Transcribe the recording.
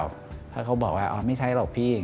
แล้วเขาบอกว่าไม่ใช่หรอกพี่